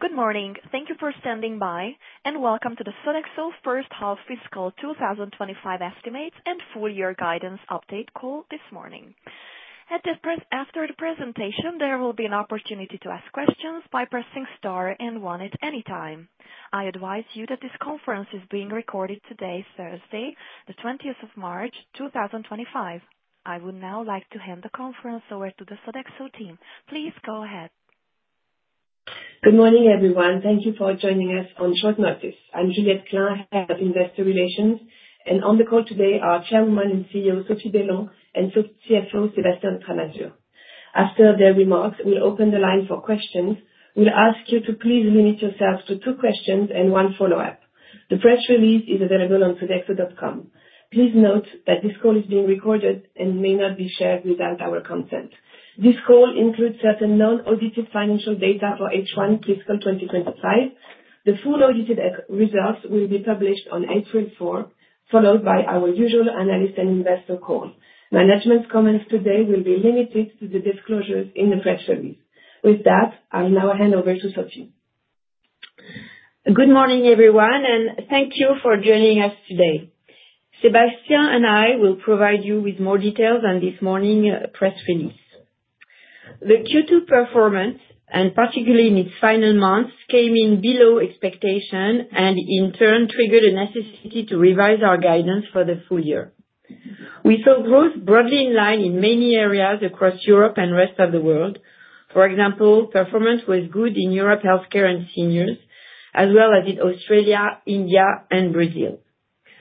Good morning. Thank you for standing by, and welcome to the Sodexo First Half Fiscal 2025 Estimates and Full Year Guidance Update call this morning. After the presentation, there will be an opportunity to ask questions by pressing star and one at any time. I advise you that this conference is being recorded today, Thursday, the 20th of March, 2025. I would now like to hand the conference over to the Sodexo team. Please go ahead. Good morning, everyone. Thank you for joining us on short notice. I'm Juliette Klein, Head of Investor Relations, and on the call today are Chairwoman and CEO Sophie Bellon and CFO Sébastien de Tramasure. After their remarks, we'll open the line for questions. We'll ask you to please limit yourselves to two questions and one follow-up. The press release is available on sodexo.com. Please note that this call is being recorded and may not be shared without our consent. This call includes certain non-audited financial data for H1 Fiscal 2025. The full audited results will be published on April 4, followed by our usual analyst and investor call. Management's comments today will be limited to the disclosures in the press release. With that, I'll now hand over to Sophie. Good morning, everyone, and thank you for joining us today. Sébastien and I will provide you with more details on this morning's press release. The Q2 performance, and particularly in its final months, came in below expectation and, in turn, triggered a necessity to revise our guidance for the full year. We saw growth broadly in line in many areas across Europe and the rest of the world. For example, performance was good in Europe, healthcare, and seniors, as well as in Australia, India, and Brazil.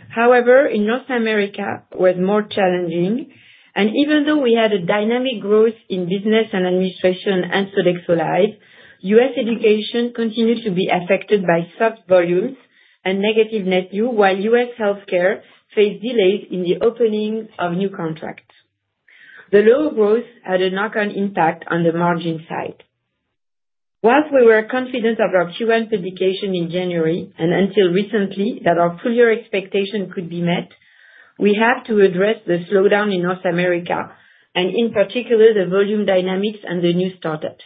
However, in North America, it was more challenging. Even though we had a dynamic growth in Business & Administrations and Sodexo Live, U.S. education continued to be affected by soft volumes and negative net new, while U.S. healthcare faced delays in the opening of new contracts. The low growth had a knock-on impact on the margin side. While we were confident of our Q1 publication in January and until recently that our full year expectation could be met, we have to address the slowdown in North America and, in particular, the volume dynamics and the new startups.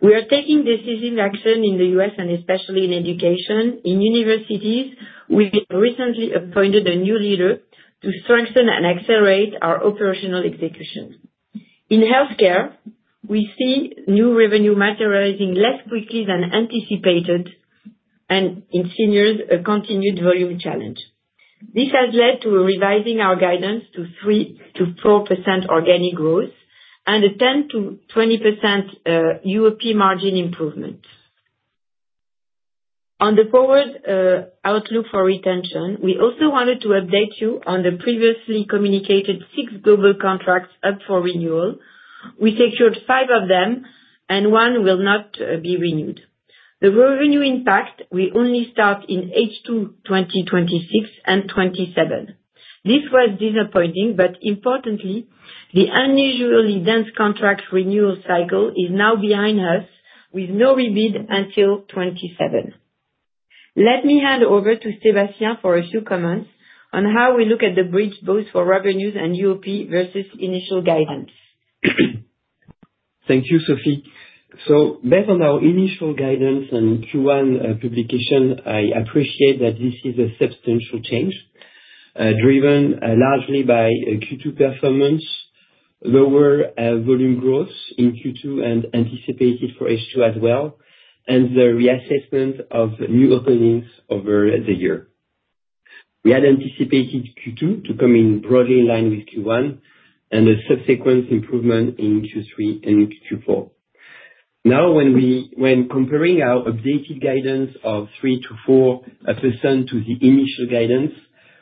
We are taking decisions in action in the U.S., and especially in education. In universities, we have recently appointed a new leader to strengthen and accelerate our operational execution. In healthcare, we see new revenue materializing less quickly than anticipated, and in seniors, a continued volume challenge. This has led to revising our guidance to 3%-4% organic growth and a 10-20 basis points UOP margin improvement. On the forward outlook for retention, we also wanted to update you on the previously communicated six global contracts up for renewal. We secured five of them, and one will not be renewed. The revenue impact will only start in H2 2026 and 2027. This was disappointing, but importantly, the unusually dense contract renewal cycle is now behind us with no rebate until 2027. Let me hand over to Sébastien for a few comments on how we look at the bridge both for revenues and UOP versus initial guidance. Thank you, Sophie. Based on our initial guidance and Q1 publication, I appreciate that this is a substantial change driven largely by Q2 performance, lower volume growth in Q2, and anticipated for H2 as well, and the reassessment of new openings over the year. We had anticipated Q2 to come in broadly in line with Q1 and a subsequent improvement in Q3 and Q4. Now, when comparing our updated guidance of 3%-4% to the initial guidance,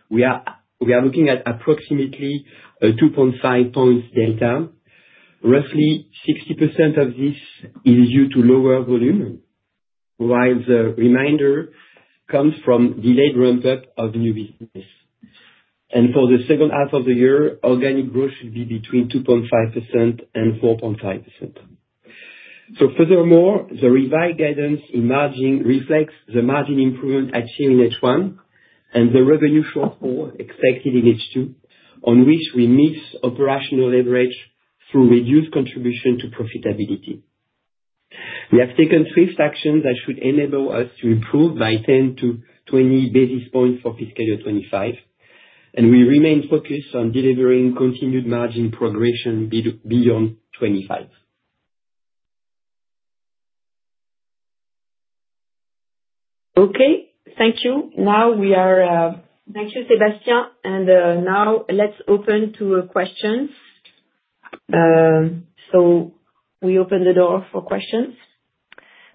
we are looking at approximately 2.5 percentage points delta. Roughly 60% of this is due to lower volume, while the remainder comes from delayed ramp-up of new business. For the second half of the year, organic growth should be between 2.5% and 4.5%. Furthermore, the revised guidance in margin reflects the margin improvement achieved in H1 and the revenue shortfall expected in H2, on which we miss operational leverage through reduced contribution to profitability. We have taken three actions that should enable us to improve by 10-20 basis points for fiscal year 2025, and we remain focused on delivering continued margin progression beyond 2025. Okay. Thank you. Thank you, Sébastien, and now let's open to questions. We open the door for questions.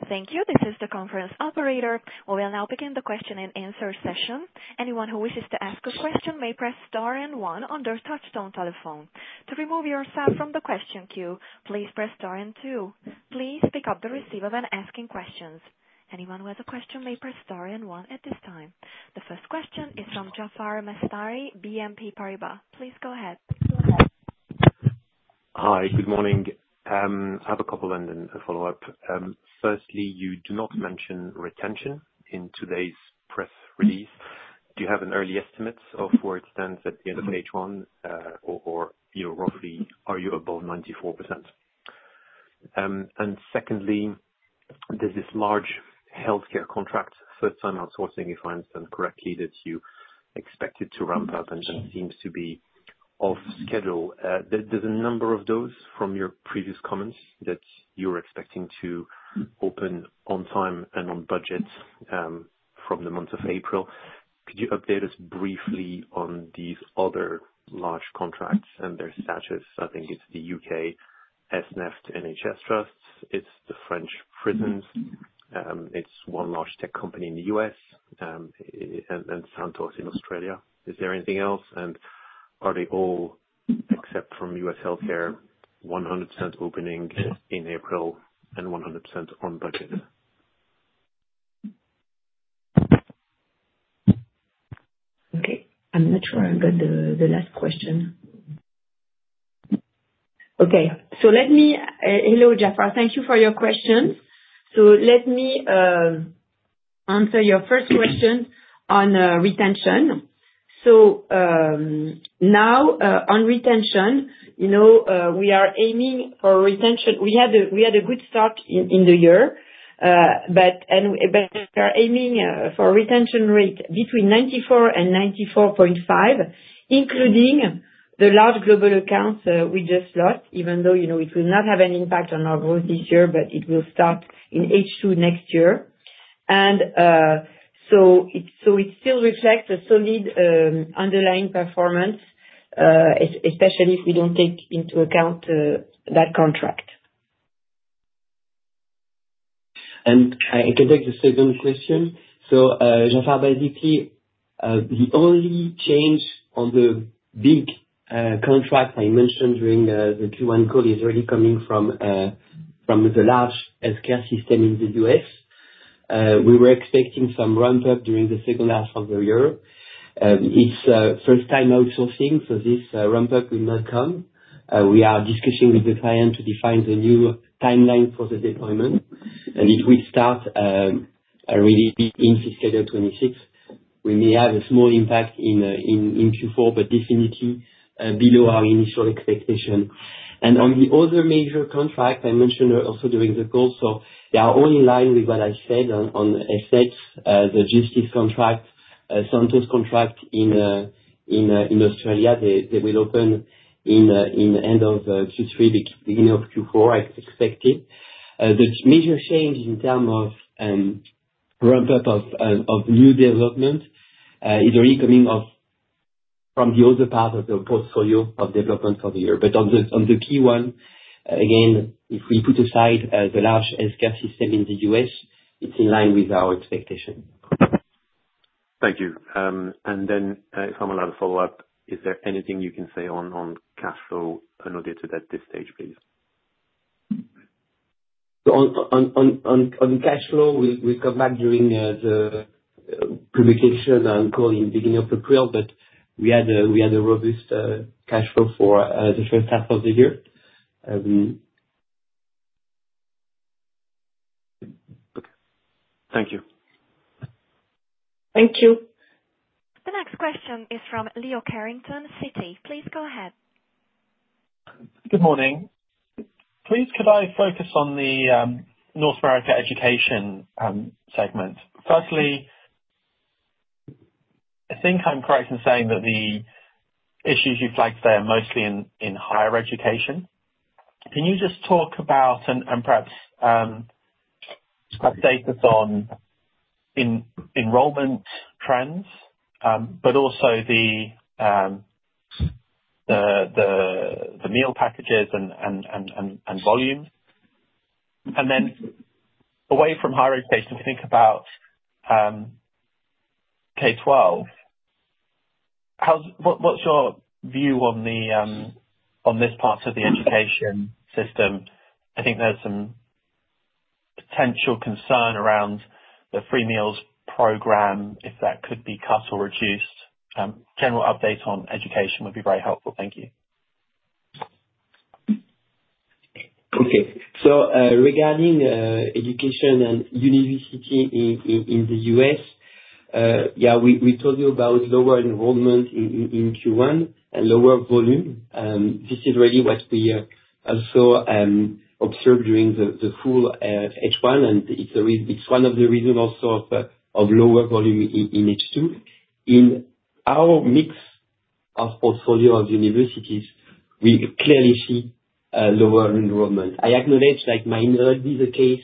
Thank you. This is the conference operator. We will now begin the question and answer session. Anyone who wishes to ask a question may press star and one on their touchtone telephone. To remove yourself from the question queue, please press star and two. Please pick up the receiver when asking questions. Anyone who has a question may press star and one at this time. The first question is from Jaafar Mestari, BNP Paribas. Please go ahead. Hi, good morning. I have a couple of follow-ups. Firstly, you do not mention retention in today's press release. Do you have an early estimate of where it stands at the end of H1, or roughly, are you above 94%? Secondly, there's this large healthcare contract, first-time outsourcing, if I understand correctly, that you expected to ramp up and then seems to be off schedule. There's a number of those from your previous comments that you were expecting to open on time and on budget from the month of April. Could you update us briefly on these other large contracts and their statuses? I think it's the U.K., NHS Trusts. It's the French prisons. It's one large tech company in the U.S. and Santos in Australia. Is there anything else? Are they all, except from U.S. healthcare, 100% opening in April and 100% on budget? Okay. I'm not sure I've got the last question. Okay. Hello, Jaafar. Thank you for your questions. Let me answer your first question on retention. Now, on retention, we are aiming for retention. We had a good start in the year, but we are aiming for a retention rate between 94% and 94.5%, including the large global accounts we just lost, even though it will not have an impact on our growth this year, but it will start in H2 next year. It still reflects a solid underlying performance, especially if we do not take into account that contract. I can take the second question. Jaafar, basically, the only change on the big contract I mentioned during the Q1 call is really coming from the large healthcare system in the U.S. We were expecting some ramp-up during the second half of the year. It's first-time outsourcing, so this ramp-up will not come. We are discussing with the client to define the new timeline for the deployment, and it will start really in fiscal year 2026. We may have a small impact in Q4, but definitely below our initial expectation. On the other major contract I mentioned also during the call, they are all in line with what I said on assets, the GSK contract, Santos contract in Australia. They will open in the end of Q3, beginning of Q4, I expected. The major change in terms of ramp-up of new development is really coming from the other part of the portfolio of development for the year. On the key one, again, if we put aside the large healthcare system in the U.S., it's in line with our expectation. Thank you. If I'm allowed to follow up, is there anything you can say on cash flow un-audited at this stage, please? On cash flow, we'll come back during the publication and call in the beginning of April, but we had a robust cash flow for the first half of the year. Okay. Thank you. Thank you. The next question is from Leo Carrington, Citi. Please go ahead. Good morning. Please, could I focus on the North America education segment? Firstly, I think I'm correct in saying that the issues you flagged there are mostly in higher education. Can you just talk about and perhaps update us on enrollment trends, but also the meal packages and volume? Away from higher education, if you think about K-12, what's your view on this part of the education system? I think there's some potential concern around the free meals program, if that could be cut or reduced. General updates on education would be very helpful. Thank you. Okay. Regarding education and university in the U.S., yeah, we told you about lower enrollment in Q1 and lower volume. This is really what we also observed during the full H1, and it is one of the reasons also of lower volume in H2. In our mix of portfolio of universities, we clearly see lower enrollment. I acknowledge that might not be the case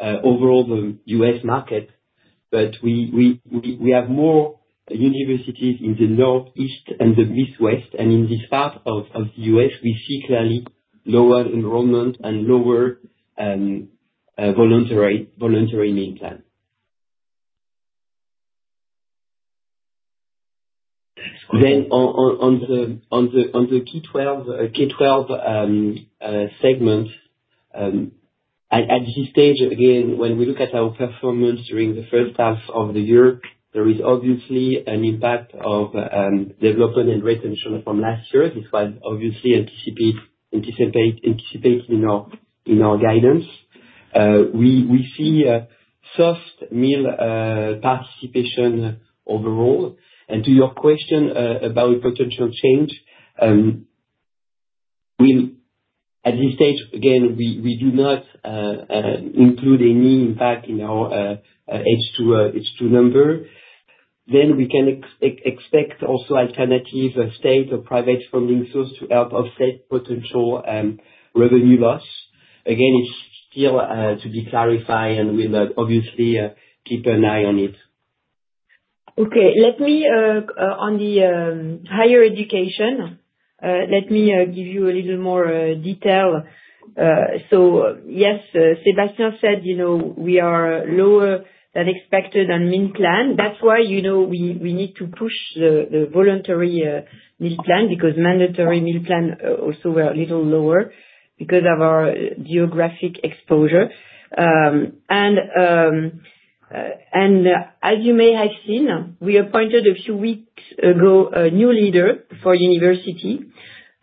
overall in the U.S. market, but we have more universities in the Northeast and the Midwest, and in this part of the U.S., we see clearly lower enrollment and lower voluntary meal plan. On the K-12 segment, at this stage, again, when we look at our performance during the first half of the year, there is obviously an impact of development and retention from last year. This was obviously anticipated in our guidance. We see soft meal participation overall. To your question about potential change, at this stage, again, we do not include any impact in our H2 number. We can expect also alternative state or private funding source to help offset potential revenue loss. Again, it's still to be clarified, and we'll obviously keep an eye on it. Okay. On the higher education, let me give you a little more detail. Yes, Sébastien said we are lower than expected on meal plan. That is why we need to push the voluntary meal plan because mandatory meal plan also were a little lower because of our geographic exposure. As you may have seen, we appointed a few weeks ago a new leader for university.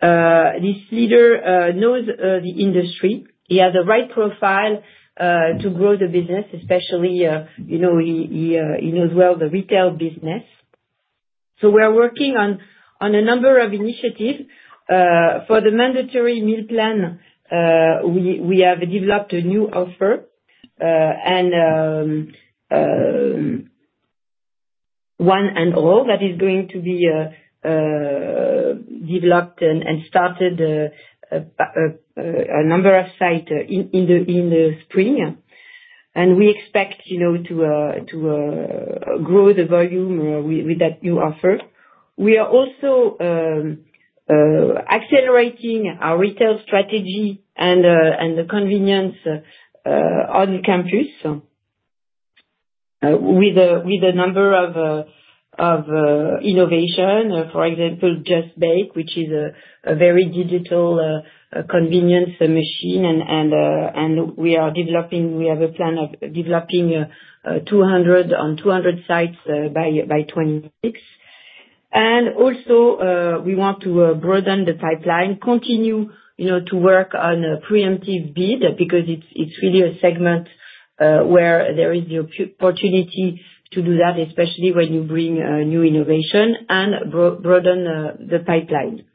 This leader knows the industry. He has the right profile to grow the business, especially he knows well the retail business. We are working on a number of initiatives. For the mandatory meal plan, we have developed a new offer and One & All that is going to be developed and started a number of sites in the spring. We expect to grow the volume with that new offer. We are also accelerating our retail strategy and the convenience on campus with a number of innovations. For example, Just Baked, which is a very digital convenience machine, and we have a plan of developing 200 sites by 2026. We want to broaden the pipeline, continue to work on a preemptive bid because it's really a segment where there is the opportunity to do that, especially when you bring new innovation and broaden the pipeline.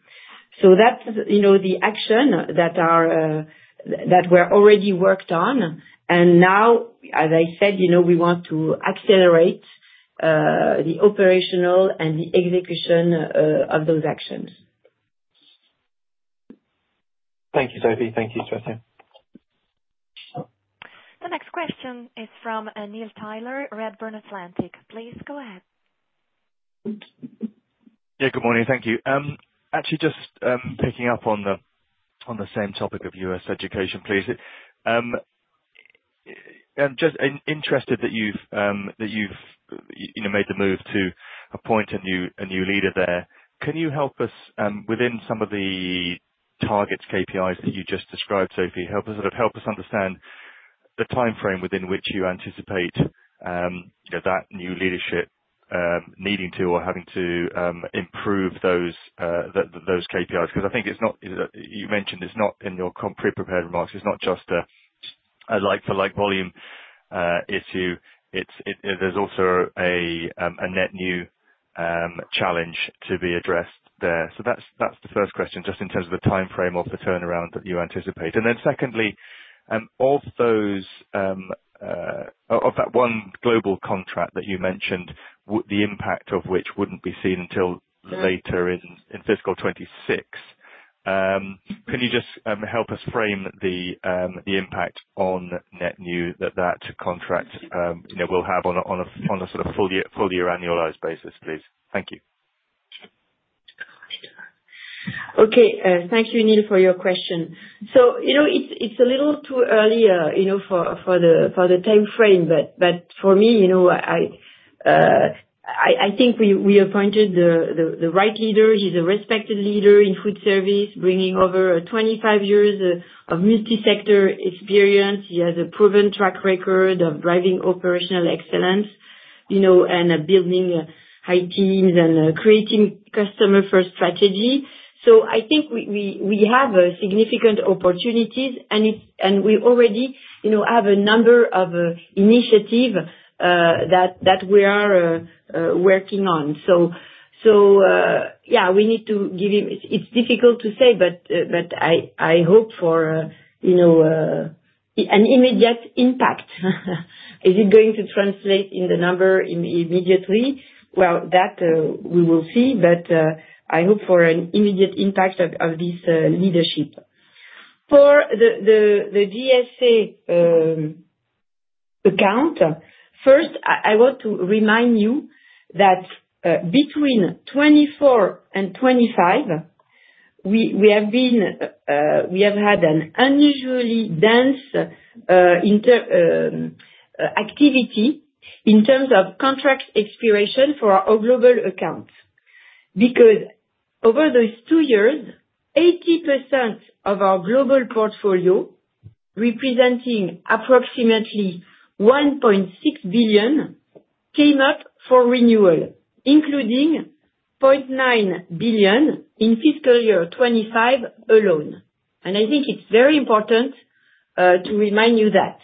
That's the action that we're already worked on. Now, as I said, we want to accelerate the operational and the execution of those actions. Thank you, Sophie. Thank you, Sébastien. The next question is from Neil Tyler, Redburn Atlantic. Please go ahead. Yeah, good morning. Thank you. Actually, just picking up on the same topic of U.S. education, please. I'm just interested that you've made the move to appoint a new leader there. Can you help us within some of the targets, KPIs that you just described, Sophie? Help us understand the timeframe within which you anticipate that new leadership needing to or having to improve those KPIs? Because I think it's not, you mentioned it's not in your pre-prepared remarks. It's not just a like-for-like volume issue. There's also a net new challenge to be addressed there. That's the first question, just in terms of the timeframe of the turnaround that you anticipate. Secondly, of that one global contract that you mentioned, the impact of which would not be seen until later in fiscal 2026, can you just help us frame the impact on net new that that contract will have on a sort of full-year annualized basis, please? Thank you. Okay. Thank you, Neil, for your question. It is a little too early for the timeframe, but for me, I think we appointed the right leader. He is a respected leader in food service, bringing over 25 years of multisector experience. He has a proven track record of driving operational excellence and building high teams and creating customer-first strategy. I think we have significant opportunities, and we already have a number of initiatives that we are working on. Yeah, we need to give him, it is difficult to say, but I hope for an immediate impact. Is it going to translate in the number immediately? That we will see, but I hope for an immediate impact of this leadership. For the GSC account, first, I want to remind you that between 2024 and 2025, we have had an unusually dense activity in terms of contract expiration for our global accounts. Because over those two years, 80% of our global portfolio, representing approximately 1.6 billion, came up for renewal, including 0.9 billion in fiscal year 2025 alone. I think it's very important to remind you that.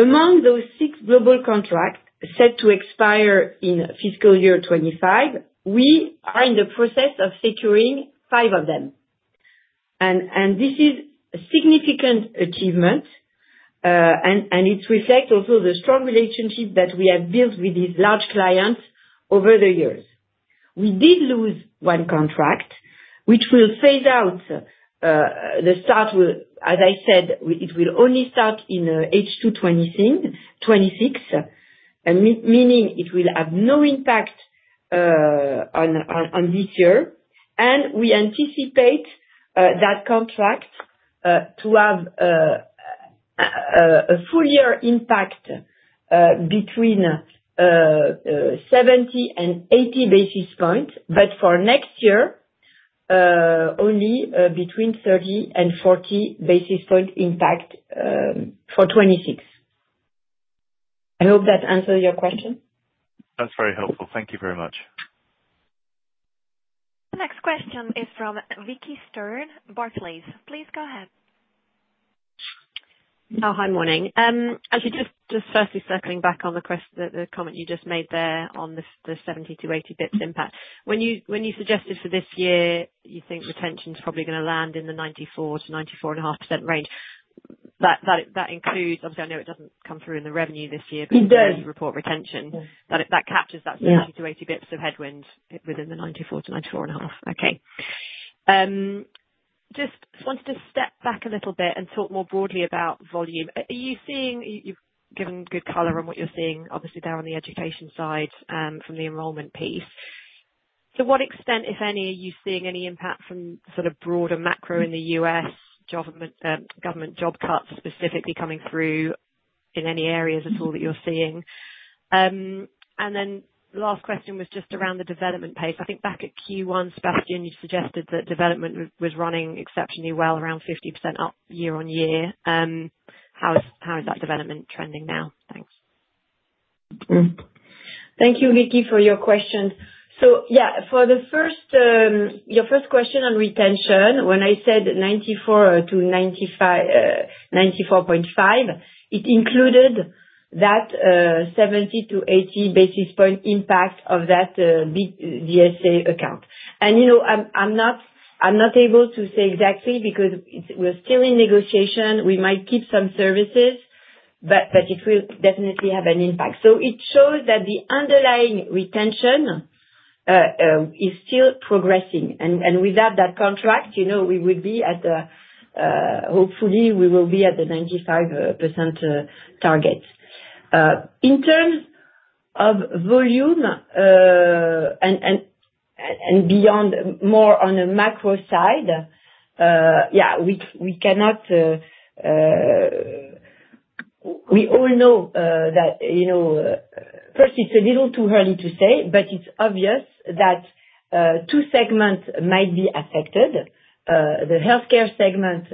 Among those six global contracts set to expire in fiscal year 2025, we are in the process of securing five of them. This is a significant achievement, and it reflects also the strong relationship that we have built with these large clients over the years. We did lose one contract, which will phase out the start. As I said, it will only start in H2 2026, meaning it will have no impact on this year. We anticipate that contract to have a full-year impact between 70-80 basis points, but for next year, only between 30-40 basis points impact for 2026. I hope that answers your question. That's very helpful. Thank you very much. The next question is from Vicki Stern, Barclays. Please go ahead. Hi, morning. Actually, just firstly circling back on the comment you just made there on the 70-80 basis points impact. When you suggested for this year, you think retention is probably going to land in the 94%-94.5% range. That includes—obviously, I know it does not come through in the revenue this year, but you do report retention. That captures that 70-80 basis points of headwind within the 94%-94.5%. Okay. Just wanted to step back a little bit and talk more broadly about volume. You have given good color on what you are seeing, obviously, there on the education side from the enrollment piece. To what extent, if any, are you seeing any impact from sort of broader macro in the U.S., government job cuts specifically coming through in any areas at all that you are seeing? The last question was just around the development pace. I think back at Q1, Sébastien, you suggested that development was running exceptionally well, around 50% up year on year. How is that development trending now? Thanks. Thank you, Vicki, for your question. For your first question on retention, when I said 94%-95%, it included that 70-80 basis point impact of that GSC account. I'm not able to say exactly because we're still in negotiation. We might keep some services, but it will definitely have an impact. It shows that the underlying retention is still progressing. Without that contract, we would be at—hopefully, we will be at the 95% target. In terms of volume and beyond, more on the macro side, we cannot—we all know that first, it's a little too early to say, but it's obvious that two segments might be affected: the healthcare segment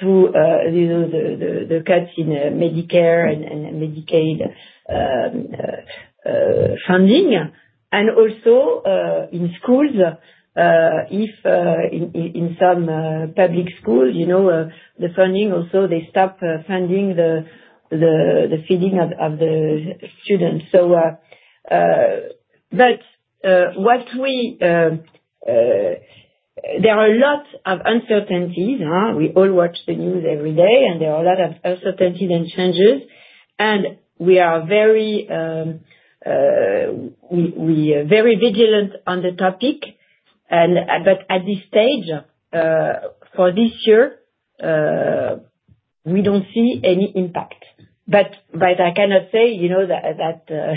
through the cuts in Medicare and Medicaid funding, and also in schools. In some public schools, the funding also—they stop funding the feeding of the students. There are a lot of uncertainties. We all watch the news every day, and there are a lot of uncertainties and changes. We are very vigilant on the topic. At this stage, for this year, we do not see any impact. I cannot say that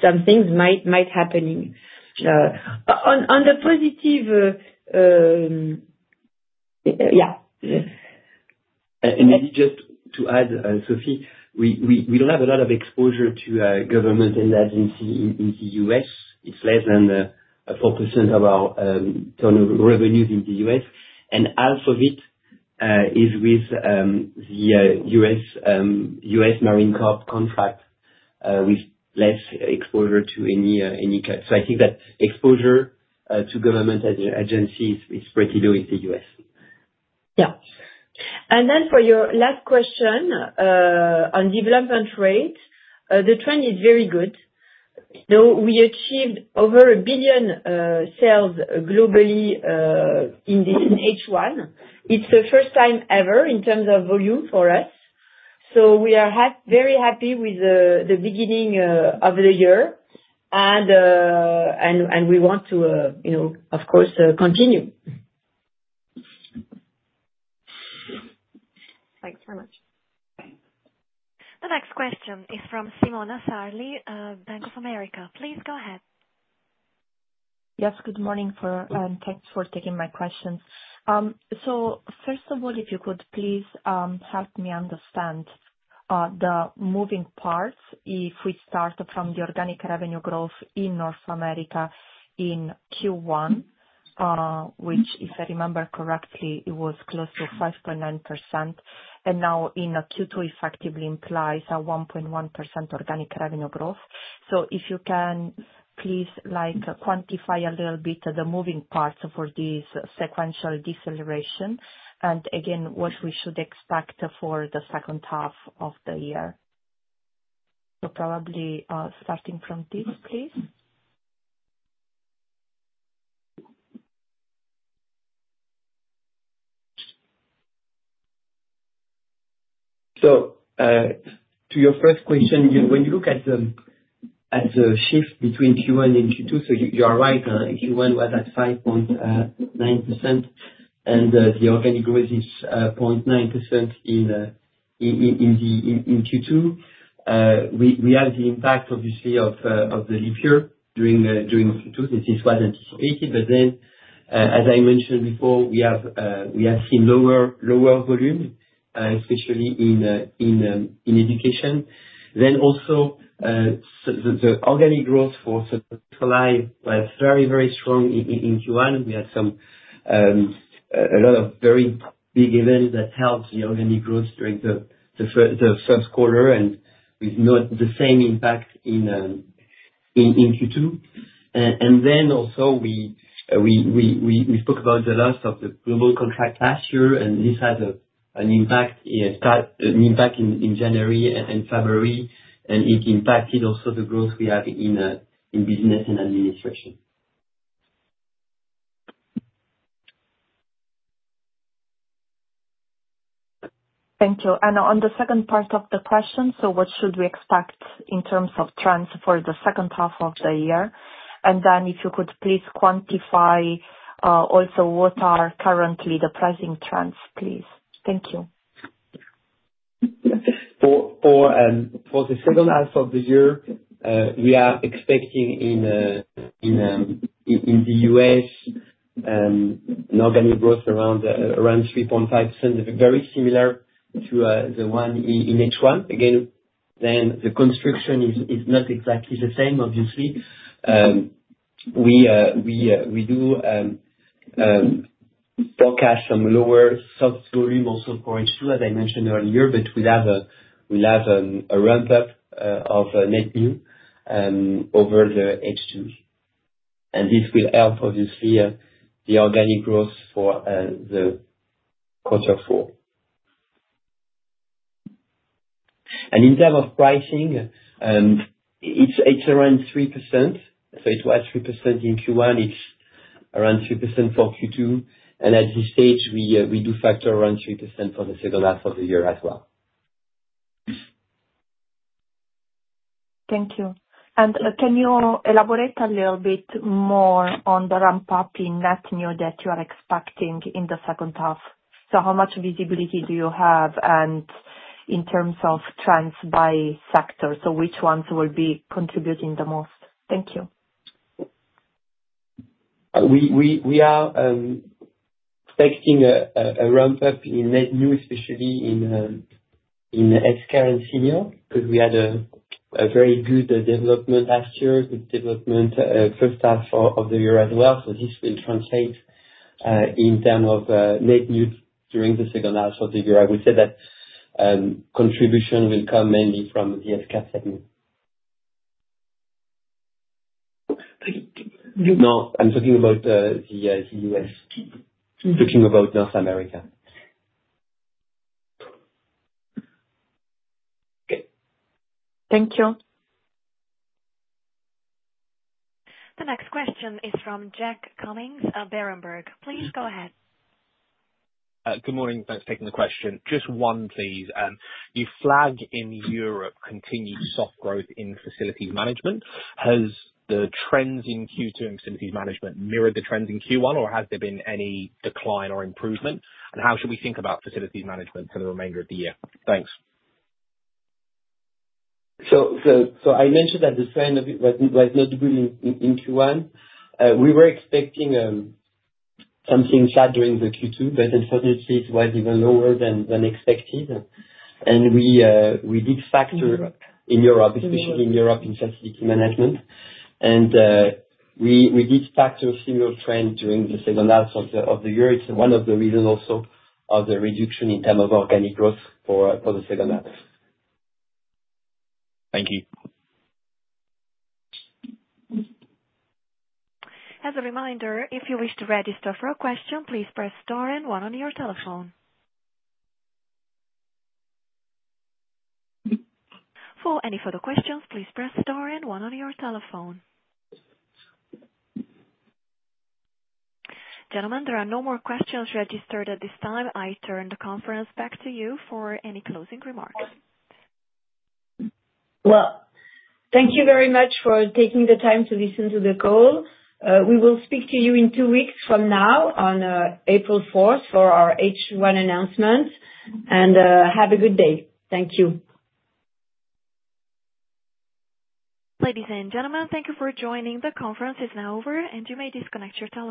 some things might not be happening. On the positive, yeah. Maybe just to add, Sophie, we do not have a lot of exposure to government and agency in the U.S. It is less than 4% of our total revenues in the U.S., and half of it is with the U.S. Marine Corps contract, with less exposure to any cuts. I think that exposure to government agencies is pretty low in the U.S. Yeah. For your last question on development rate, the trend is very good. We achieved over 1 billion sales globally in H1. It is the first time ever in terms of volume for us. We are very happy with the beginning of the year, and we want to, of course, continue. Thanks very much. The next question is from Simona Sarli, Bank of America. Please go ahead. Yes, good morning, and thanks for taking my questions. First of all, if you could please help me understand the moving parts, if we start from the organic revenue growth in North America in Q1, which, if I remember correctly, it was close to 5.9%, and now in Q2, effectively implies a 1.1% organic revenue growth. If you can please quantify a little bit the moving parts for this sequential deceleration and, again, what we should expect for the second half of the year. Probably starting from this, please. To your first question, when you look at the shift between Q1 and Q2, you are right, Q1 was at 5.9%, and the organic growth is 0.9% in Q2. We have the impact, obviously, of the leap year during Q2. This was anticipated. As I mentioned before, we have seen lower volume, especially in education. Also, the organic growth for Sodexo Live was very, very strong in Q1. We had a lot of very big events that helped the organic growth during the first quarter, and we have noticed the same impact in Q2. We spoke about the loss of the global contract last year, and this had an impact in January and February, and it impacted also the growth we have in Business & Administrations. Thank you. On the second part of the question, what should we expect in terms of trends for the second half of the year? If you could please quantify also what are currently the pricing trends, please. Thank you. For the second half of the year, we are expecting in the U.S., an organic growth around 3.5%, very similar to the one in H1. Again, the construction is not exactly the same, obviously. We do forecast some lower soft volume also for H2, as I mentioned earlier, but we have a ramp-up of net new over the H2. This will help, obviously, the organic growth for the quarter four. In terms of pricing, it's around 3%. It was 3% in Q1. It's around 3% for Q2. At this stage, we do factor around 3% for the second half of the year as well. Thank you. Can you elaborate a little bit more on the ramp-up in net new that you are expecting in the second half? How much visibility do you have in terms of trends by sector? Which ones will be contributing the most? Thank you. We are expecting a ramp-up in net new, especially in healthcare and senior, because we had a very good development last year, good development first half of the year as well. This will translate in terms of net new during the second half of the year. I would say that contribution will come mainly from the healthcare segment. No, I'm talking about the U.S., looking about North America. Thank you. The next question is from Jack Cummings of Berenberg. Please go ahead. Good morning. Thanks for taking the question. Just one, please. You flag in Europe continued soft growth in facilities management. Has the trends in Q2 in facilities management mirrored the trends in Q1, or has there been any decline or improvement? How should we think about facilities management for the remainder of the year? Thanks. I mentioned that the trend was not good in Q1. We were expecting something flat during Q2, but unfortunately, it was even lower than expected. We did factor in Europe, especially in Europe in facility management. We did factor similar trends during the second half of the year. It is one of the reasons also of the reduction in terms of organic growth for the second half. Thank you. As a reminder, if you wish to register for a question, please press star and one on your telephone. For any further questions, please press star and one on your telephone. Gentlemen, there are no more questions registered at this time. I turn the conference back to you for any closing remarks. Thank you very much for taking the time to listen to the call. We will speak to you in two weeks from now on April 4th for our H1 announcement. Have a good day. Thank you. Ladies and gentlemen, thank you for joining. The conference is now over, and you may disconnect.